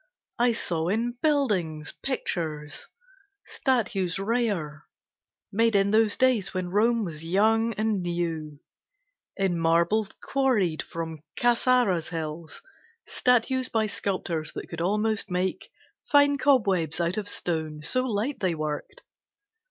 I saw in buildings pictures, statues rare, Made in those days when Rome was young, and new In marble quarried from Carrara's hills; Statues by sculptors that could almost make Fine cobwebs out of stone so light they worked.